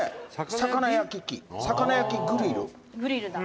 魚焼き器、魚焼きグリル」